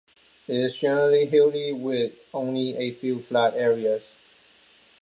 It is generally hilly, with only a few flat areas.